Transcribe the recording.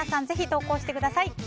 ぜひ投稿してください。